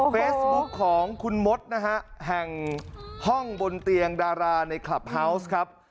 เฟซบุ๊คของคุณมดนะฮะแห่งห้องบนเตียงดาราในคลับเฮาวส์ครับ